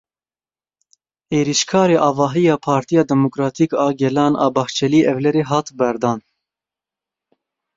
Êrişkarê avahiya Partiya Demokratîk a Gelan a Bahçelievlerê hat berdan.